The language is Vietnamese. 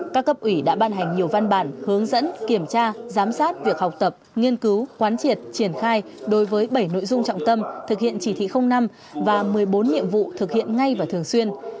các cấp ủy đã ban hành nhiều văn bản hướng dẫn kiểm tra giám sát việc học tập nghiên cứu quán triệt triển khai đối với bảy nội dung trọng tâm thực hiện chỉ thị năm và một mươi bốn nhiệm vụ thực hiện ngay và thường xuyên